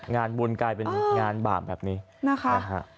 งานบุญกลายเป็นงานบาปแบบนี้นะคะ